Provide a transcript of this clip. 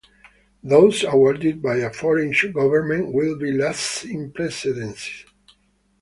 Those awarded by a foreign government will be last in precedence.